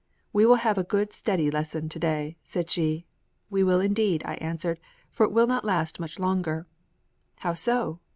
"We will have a good steady lesson to day," said she. "We will indeed," I answered, "for it will not last much longer." "How so?